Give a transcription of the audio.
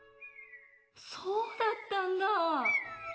そうだったんだぁ。